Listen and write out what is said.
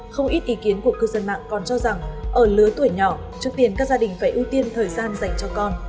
không ít ý kiến của cư dân mạng còn cho rằng ở lứa tuổi nhỏ trước tiên các gia đình phải ưu tiên thời gian dành cho con